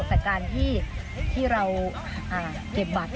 แต่การที่เราเก็บบัตร